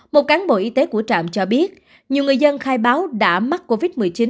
một cán bộ y tế của trạm cho biết nhiều người dân khai báo đã mắc covid một mươi chín